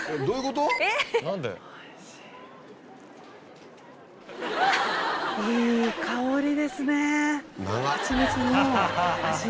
えっどういうこと？